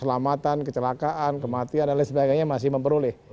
keselamatan kecelakaan kematian dan lain sebagainya masih memperoleh